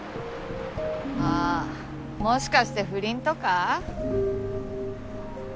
あっもしかして不倫とか？